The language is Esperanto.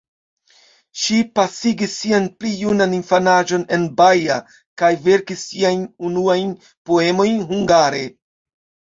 Ŝi pasigis sian pli junan infanaĝon en Baja kaj verkis siajn unuajn poemojn hungare.